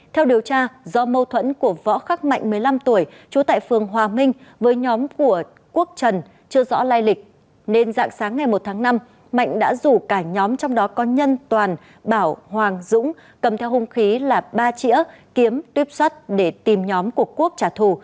theo điều tra do mâu thuẫn của võ khắc mạnh một mươi năm tuổi trú tại phường hòa minh với nhóm của quốc trần chưa rõ lai lịch nên dạng sáng ngày một tháng năm mạnh đã rủ cả nhóm trong đó có nhân toàn bảo hoàng dũng cầm theo hung khí là ba trĩa kiếm tuyếp xuất để tìm nhóm của quốc trả thù